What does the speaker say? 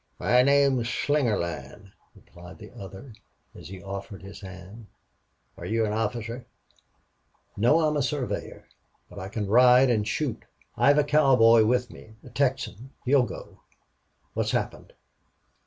"My name's Slingerland," replied the other, as he offered his hand. "Are you an officer?" "No. I'm a surveyor. But I can ride and shoot. I've a cowboy with me a Texan. He'll go. What's happened?"